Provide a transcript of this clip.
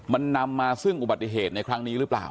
มันนำมาซึ่งอุบัติเหตุในครั้งนี้หรือเปล่า